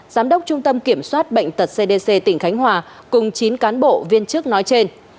giám đốc trung tâm kiểm soát bệnh tật cdc tỉnh khánh hòa cùng chín cán bộ viên chức nói trên